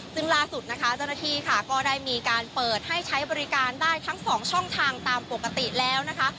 ซึ่งล่าสุดนะคะเจ้าหน้าที่ค่ะก็ได้มีการเปิดให้ใช้บริการได้ทั้งสองช่องทางตามปกติแล้วนะคะ